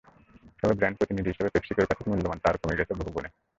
তবে ব্র্যান্ড প্রতিনিধি হিসেবে পেপসিকোর কাছে মূল্যমান তাঁর কমে গেছে বহুগুণে।